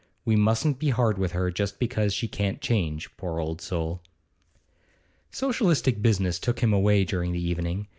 We mustn't be hard with her just because she can't change, poor old soul.' Socialistic business took him away during the evening.